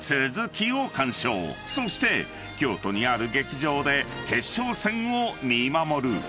［そして京都にある劇場で決勝戦を見守る］